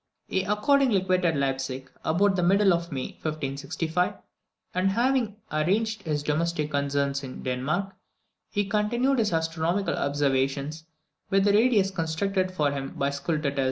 He accordingly quitted Leipsic about the middle of May 1565, and after having arranged his domestic concerns in Denmark, he continued his astronomical observations with the radius constructed for him by Scultetus.